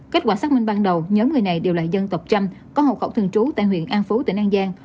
kết quả xác minh ban đầu nhóm người này đều là dân tộc trăm có hậu khẩu thường trú tại huyện an phú tỉnh an giang